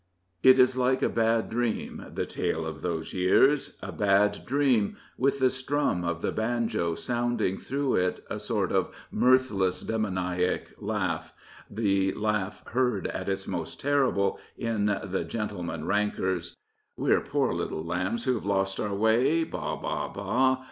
It is all like a bad dream, the tale of those years — a bad dream, with the strum of the banjo sounding through it a sort of mirthless, demoniac laugh — the laugh heard at its most terrible in the " Gentlemen Rankers ": We're poor little lambs who've lost our way, Baal Baal Baa!